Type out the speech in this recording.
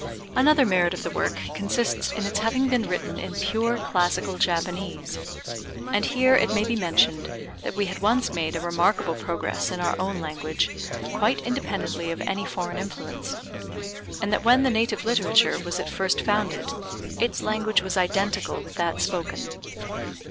Another merit of the work consists in its having been written in pure classical Japanese; and here it may be mentioned that we had once made a remarkable progress in our own language quite independently of any foreign influence, and that when the native literature was at first founded, its language was identical with that spoken.